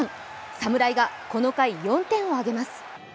侍がこの回、４点を挙げます。